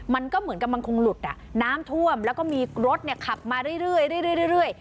มันก็เหมือนกับมันคงหลุดอ่ะน้ำท่วมแล้วก็มีรถเนี่ยขับมาเรื่อยเรื่อยเรื่อยเรื่อย